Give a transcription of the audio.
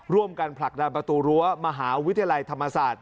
ผลักดันประตูรั้วมหาวิทยาลัยธรรมศาสตร์